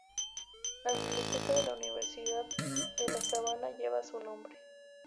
La biblioteca de la Universidad de la Sabana lleva su nombre.